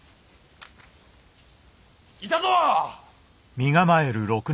いたぞ！